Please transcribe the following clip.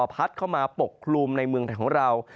พัดเข้ามาปกคลุมในเมืองไทยของเรา